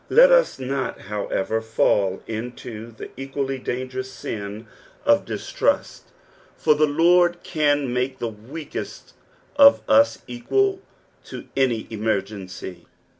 Let us not, however, fall into the equally dangerous sin of distrust, for the Lord car make the weakest of 09 equal to any emergency.